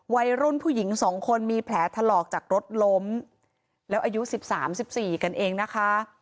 วัยรุ่นผู้หญิงสองคนมีแผลถลอกจากรถล้มแล้วอายุสิบสามสิบสี่กันเองนะคะ